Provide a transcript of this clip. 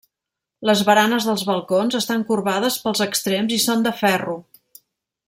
Les baranes dels balcons estan corbades pels extrems i són de ferro.